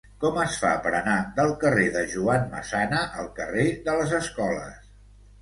Com es fa per anar del carrer de Joan Massana al carrer de les Escoles?